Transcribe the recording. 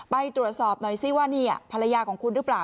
ไปตรวจสอบหน่อยสิว่านี่ภรรยาของคุณหรือเปล่า